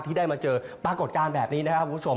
ที่ได้มาเจอปรากฏการณ์แบบนี้นะครับคุณผู้ชม